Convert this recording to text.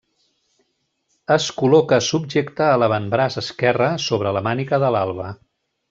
Es col·loca subjecte a l'avantbraç esquerre sobre la màniga de l'alba.